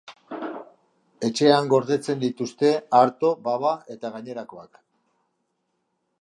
Etxean gordetzen dituzte arto, baba eta gainerakoak.